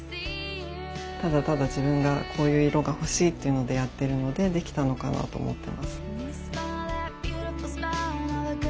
ただただ自分がこういう色が欲しいっていうのでやってるのでできたのかなと思ってます。